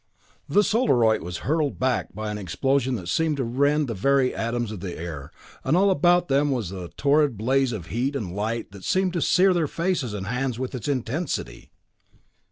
The Solarite was hurled back by an explosion that seemed to rend the very atoms of the air, and all about them was a torrid blaze of heat and light that seemed to sear their faces and hands with its intensity.